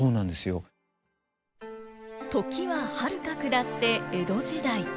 時ははるか下って江戸時代。